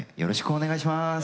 お願いします！